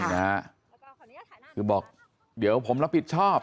คือบอกเดี๋ยวผมรับผิดชอบ